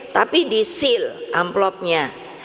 tapi di seal amplopnya